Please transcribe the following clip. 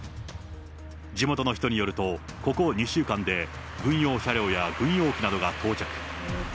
地元の人によると、ここ２週間で、軍用車両や軍用機などが到着。